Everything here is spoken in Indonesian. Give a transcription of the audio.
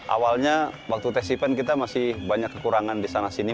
awalnya waktu tes event kita masih banyak kekurangan di sana sini